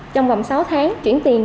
trong vòng sáu tháng chuyển tiền